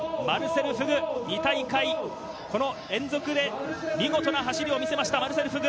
マルセル・フグ、２大会連続で見事な走りを見せました。